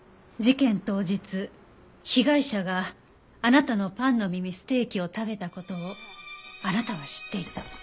事件当日被害者があなたのパンの耳ステーキを食べた事をあなたは知っていた。